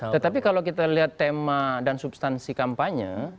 tetapi kalau kita lihat tema dan substansi kampanye